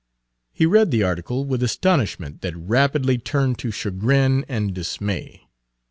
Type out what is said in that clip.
He read the article with astonishment that rapidly turned to chagrin and dismay.